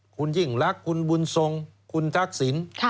คุณยิ่งรักคุณบุญทรงคุณทักษิณ